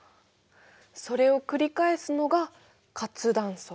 それを繰り返すのが活断層。